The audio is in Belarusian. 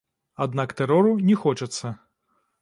Аднак тэрору не хочацца.